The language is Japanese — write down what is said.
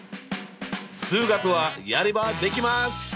数学はやればできます！